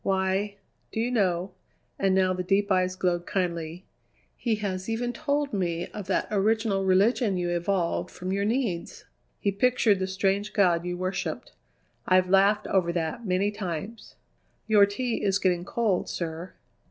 Why, do you know" and now the deep eyes glowed kindly "he has even told me of that original religion you evolved from your needs; he pictured the strange god you worshipped. I've laughed over that many times." "Your tea is getting cold, sir."